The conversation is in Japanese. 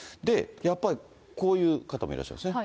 やっぱりこういう方もいらっしゃるんですね。